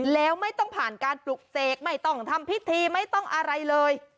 แล้วไม่ต้องผ่านการปลุกเสกไม่ต้องทำพิธีไม่ต้องอะไรเลย